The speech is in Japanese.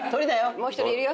もう一人いるよ。